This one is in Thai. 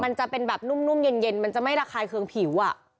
มันจะเป็นแบบนุ่มเย็นมันจะไม่ระคายเคืองผิว